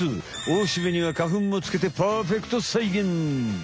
おしべには花粉もつけてパーフェクトさいげん！